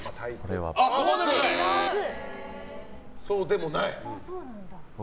そうでもないと。